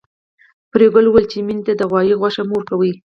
پريګلې ويل چې مينې ته د غوايي غوښه مه ورکوئ